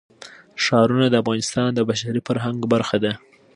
ښارونه د افغانستان د بشري فرهنګ برخه ده.